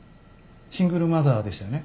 シングルマザーでしたよね？